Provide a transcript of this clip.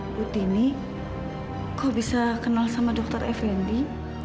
ibu tini kau bisa kenal sama dokter effendi